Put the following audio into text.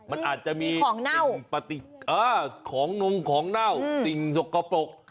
อาจจะมีของน้าวสิ่งสกปรก